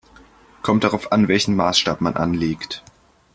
Kommt drauf an, welchen Maßstab man anlegt.